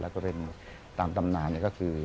แล้วก็เป็นตามตำนานก็คือ